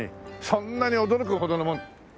そんなに驚くほどのもん。